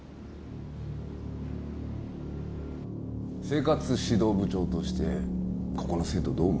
生活指導部長としてここの生徒どう思う？